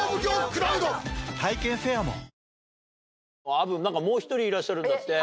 あぶ何かもう１人いらっしゃるんだって。